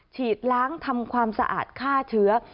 ฉีดล้างทำความสะอาดฆ่าเชื้อ